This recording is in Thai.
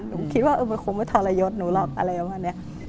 หนูคิดว่ามันคงไม่ทรยศหนูหรอกอะไรประมาณนี้